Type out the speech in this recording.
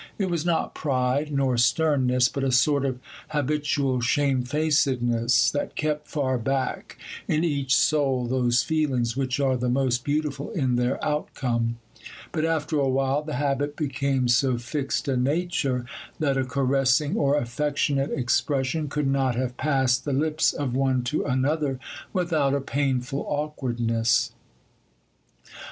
It was not pride, nor sternness, but a sort of habitual shamefacedness, that kept far back in each soul those feelings which are the most beautiful in their outcome; but after a while, the habit became so fixed a nature, that a caressing or affectionate expression could not have passed the lips of one to another without a painful awkwardness.